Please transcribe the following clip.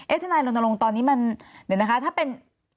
เอธนาณาลงตอนนี้มันถ้าเป็น